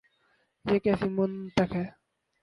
یہ کیسی منطق ہے؟